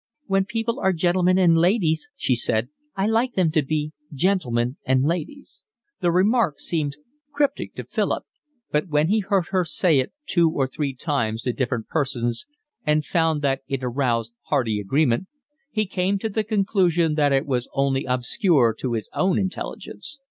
"When people are gentlemen and ladies," she said, "I like them to be gentlemen and ladies." The remark seemed cryptic to Philip, but when he heard her say it two or three times to different persons, and found that it aroused hearty agreement, he came to the conclusion that it was only obscure to his own intelligence.